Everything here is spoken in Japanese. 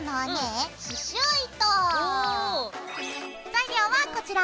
材料はこちら。